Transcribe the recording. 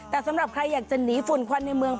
แต่สำหรับใครอยากจะหนีฝุ่นควันในเมือง